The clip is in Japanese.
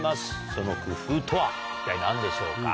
その工夫とは一体何でしょうか。